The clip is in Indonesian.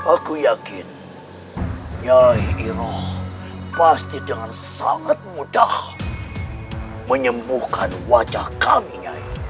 aku yakin ya iroh pasti dengan sangat mudah menyembuhkan wajah kami